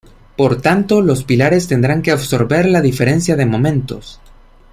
Por tanto, los pilares tendrán que absorber la diferencia de momentos.